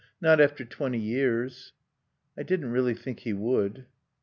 Not after twenty years. "I didn't really think he would."